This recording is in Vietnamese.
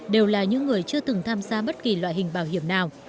đều là những người chưa từng tham gia bất kỳ loại hình bảo hiểm nào